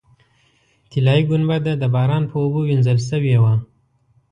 طلایي ګنبده د باران په اوبو وینځل شوې وه.